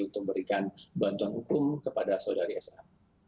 untuk memberikan bantuan hukum kepada saudari s a